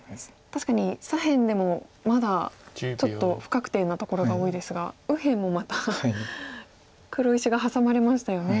確かに左辺でもまだちょっと不確定なところが多いですが右辺もまた黒石がハサまれましたよね。